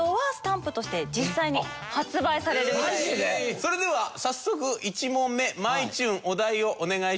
それでは早速１問目まいちゅんお題をお願いします。